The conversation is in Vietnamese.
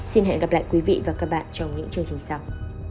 xin hẹn gặp lại các bạn trong những chương trình sau